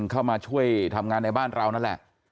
เข้ามาช่วยทำงานในบ้านเรานั่นแหละ